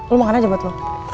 lo makan aja buat lo